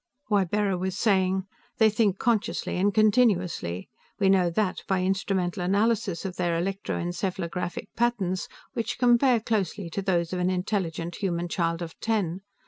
Ybarra was saying, "They think consciously and continuously. We know that by instrumental analysis of their electroencephalographic patterns, which compare closely to those of an intelligent human child of ten.